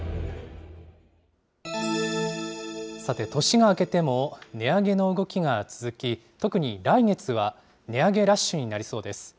さて、年が明けても値上げの動きが続き、特に来月は値上げラッシュになりそうです。